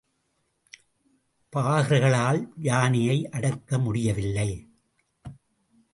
பாகர்களால் யானையை அடக்க முடியவில்லை.